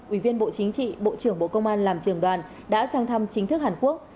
ủy viên bộ chính trị bộ trưởng bộ công an làm trường đoàn đã sang thăm chính thức hàn quốc